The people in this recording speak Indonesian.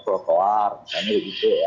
prokoar misalnya gitu ya